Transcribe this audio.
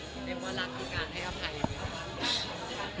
เป็นมัวรักของการให้อภัยมั้ยครับ